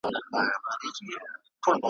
چي په نوم به د اسلام پورته کېدلې `